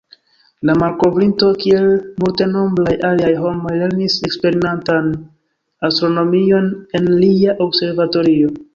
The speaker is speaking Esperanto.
La malkovrinto, kiel multenombraj aliaj homoj, lernis eksperimentan astronomion en lia observatorio.